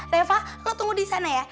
reva lo tunggu di sana ya